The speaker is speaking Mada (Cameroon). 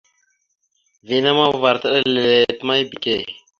Vina ma uvar atəɗálele atəmáya ebeke.